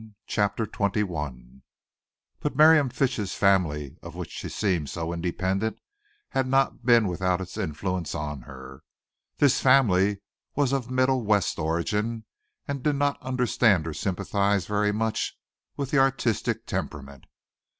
CHAPTER XXI But Miriam Finch's family, of which she seemed so independent, had not been without its influence on her. This family was of Middle West origin, and did not understand or sympathize very much with the artistic temperament.